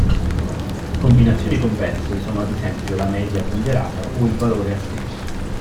Combinazioni convesse sono ad esempio la media ponderata o il valore atteso.